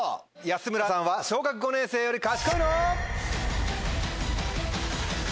安村さんは小学５年生より賢いの？